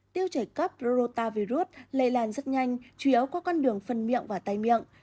tiêu chảy cấp do rô ta virus lây làn rất nhanh chủ yếu qua con đường phân miệng và tay miệng